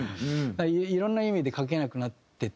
いろんな意味で書けなくなってて。